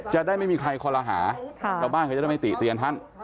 จะได้ไม่มีใครคอลหาชาวบ้านเขาจะได้ไม่ติเตียนท่าน